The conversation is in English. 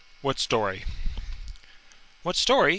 "What story?" "What story?"